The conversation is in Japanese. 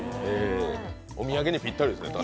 お土産にぴったりですね。